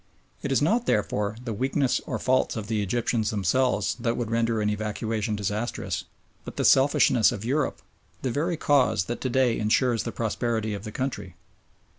It is not, therefore, the weakness or faults of the Egyptians themselves that would render an evacuation disastrous, but the selfishness of Europe, the very cause that to day ensures the prosperity of the country.